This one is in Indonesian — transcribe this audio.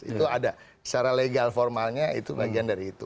itu ada secara legal formalnya itu bagian dari itu